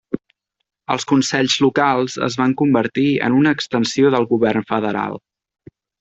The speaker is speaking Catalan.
Els Consells Locals es van convertir en una extensió del govern Federal.